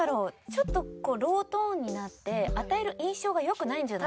ちょっとこうロートーンになって与える印象が良くないんじゃ。